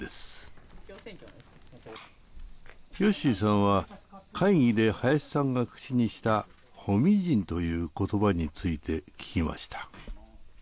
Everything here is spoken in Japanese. よっしーさんは会議で林さんが口にした「保見人」という言葉について聞きました。